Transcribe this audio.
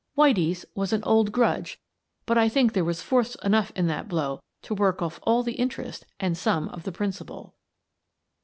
" Whitie's " was an old grudge, but I think there was force enough in that blow to work off all the interest and some of the principal.